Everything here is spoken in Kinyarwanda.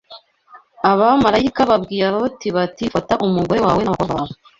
Abamarayika babwira Loti bati fata umugore wawe n’abakobwa bawe